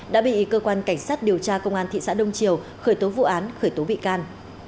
đã bị cơ quan cảnh sát điều tra công an thị xã đông triều khởi tố vụ án khởi tố bị can